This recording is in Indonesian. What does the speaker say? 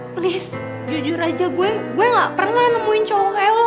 please jujur aja gua enggak pernah nemuin cowok elo